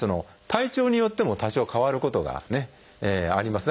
体調によっても多少変わることがあります。